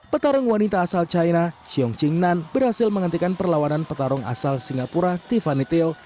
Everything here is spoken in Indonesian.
petarung wanita asal china xiong qingnan berhasil menghentikan perlawanan petarung asal singapura tiffany teo